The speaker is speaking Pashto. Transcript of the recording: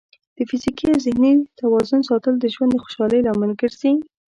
د فزیکي او ذهني توازن ساتل د ژوند د خوشحالۍ لامل ګرځي.